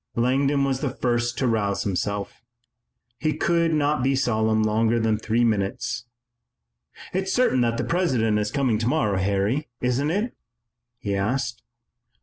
Langdon was the first to rouse himself. He could not be solemn longer than three minutes. "It's certain that the President is coming tomorrow, Harry, isn't it?" he asked.